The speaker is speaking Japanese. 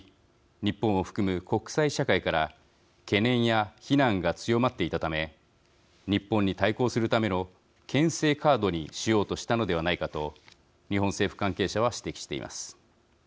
日本を含む国際社会から懸念や非難が強まっていたため日本に対抗するためのけん制カードにしようとしたのではないかと日本政府関係者は指摘しています。